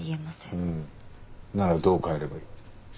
ほうならどう変えればいい？